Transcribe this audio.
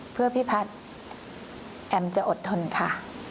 เพื่อพี่พัฒน์แอมจะอดทนค่ะ